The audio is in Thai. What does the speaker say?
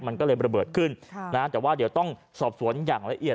มันก็เลยระเบิดขึ้นแต่ว่าเดี๋ยวต้องสอบสวนอย่างละเอียด